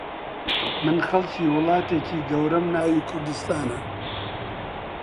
من خەڵکی وڵاتێکی گەورەم ناوی کوردستانە